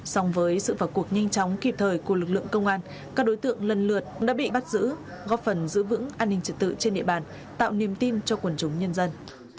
song với sự phả cuộc nhanh chóng kịp thời của lực lượng công an các đối tượng lần lượt đã bị bắt giữ góp phần giữ vững an ninh trật tự trên địa bàn tạo niềm tin cho quần chúng nhân dân